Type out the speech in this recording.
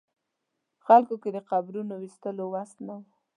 خلکو کې د قبرونو ویستلو وس نه و.